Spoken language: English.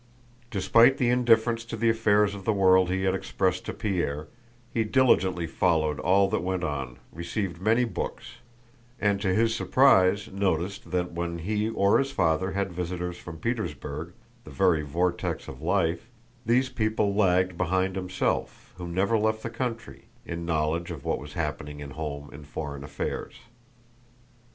Despite the indifference to the affairs of the world he had expressed to Pierre, he diligently followed all that went on, received many books, and to his surprise noticed that when he or his father had visitors from Petersburg, the very vortex of life, these people lagged behind himself—who never left the country—in knowledge of what was happening in home and foreign affairs.